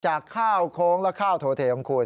จากข้าวโค้งและข้าวโถเทของคุณ